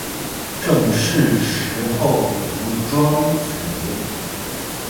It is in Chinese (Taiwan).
正是時候讀莊子